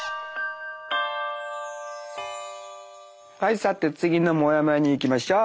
はいさて次のもやもやにいきましょう。